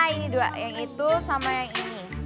ini dua yang itu sama yang ini